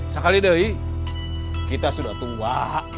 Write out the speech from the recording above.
sekali deh i kita sudah tua